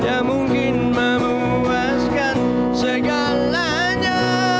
yang mungkin memuaskan segalanya